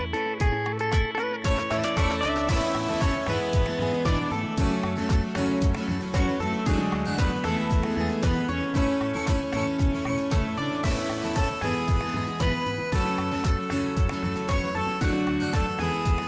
สวัสดีครับพี่สิทธิ์มหันต์